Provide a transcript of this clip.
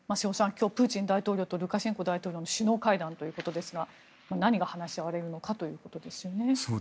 今日、プーチン大統領とルカシェンコ大統領の首脳会談ということですが何が話し合われるのかということですね。